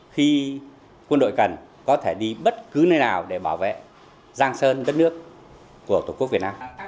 khi quân đội cần có thể đi bất cứ nơi nào để bảo vệ giang sơn đất nước của tổ quốc việt nam